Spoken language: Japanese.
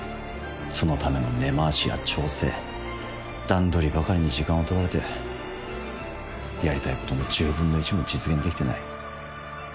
そのための根回しや調整段取りばかりに時間をとられてやりたいことの１０分の１も実現できてない。